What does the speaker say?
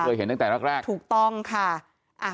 นี่เคยเห็นตั้งแต่แรกถูกต้องค่ะ